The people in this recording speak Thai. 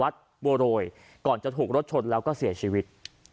โดนเราก็เสียชีวิต